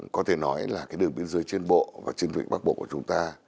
có thể nói là cái đường biên giới trên bộ và trên vịnh bắc bộ của chúng ta